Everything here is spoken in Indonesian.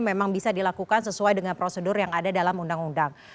memang bisa dilakukan sesuai dengan prosedur yang ada dalam undang undang